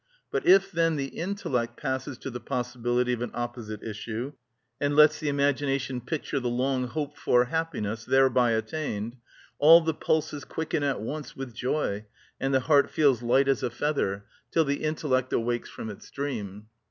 But if then the intellect passes to the possibility of an opposite issue, and lets the imagination picture the long hoped for happiness thereby attained, all the pulses quicken at once with joy and the heart feels light as a feather, till the intellect awakes from its dream.